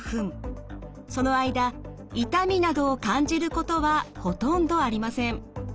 その間痛みなどを感じることはほとんどありません。